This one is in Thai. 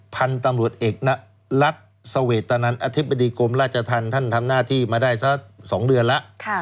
พันธุ์ตำรวจเอกณรัฐเสวตนันอธิบดีกรมราชธรรมท่านทำหน้าที่มาได้สัก๒เดือนแล้ว